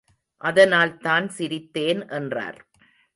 அதனால்தான் சிரித்தேன் என்றார்.